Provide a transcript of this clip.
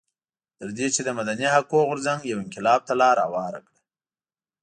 تر دې چې د مدني حقونو غورځنګ یو انقلاب ته لار هواره کړه.